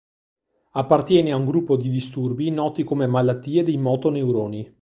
Appartiene a un gruppo di disturbi noti come malattie dei motoneuroni.